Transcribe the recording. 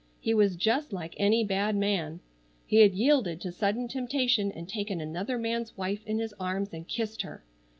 He was just like any bad man. He had yielded to sudden temptation and taken another man's wife in his arms and kissed her!